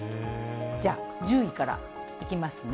じゃあ、１０位からいきますね。